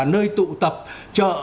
nơi tụ tập chợ